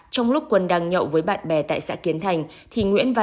trong lúc quân đang nhậu với bạn bè tại xã kiến thành